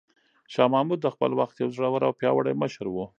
شاه محمود د خپل وخت یو زړور او پیاوړی مشر و.